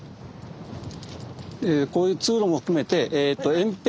こういう通路も含めて掩蔽壕と。